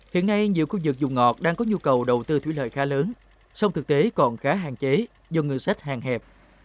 hiện nay nhiều khu vực dùng ngọt đang có nhu cầu đầu tư thủy lợi khá lớn song thực tế còn khá hạn chế do ngân sách hàng hẹp